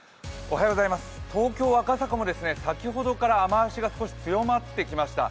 東京・赤坂も先ほどから雨脚が強まってきました。